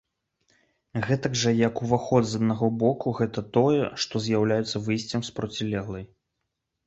Гэтак жа як уваход з аднаго боку гэта тое, што з'яўляецца выйсцем з процілеглай.